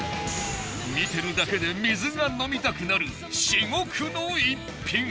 見てるだけで水が飲みたくなる至極の一品。